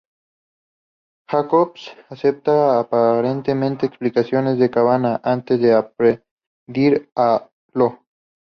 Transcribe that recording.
Jacobs aceptan aparentemente explicación de Cabana, antes de agredir a lo.